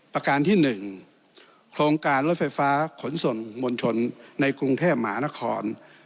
ประการที่หนึ่งโครงการรถไฟฟ้าขนส่วนมลชนในกรุงเทศหมานคร